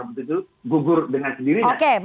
dan itu gugur dengan sendirinya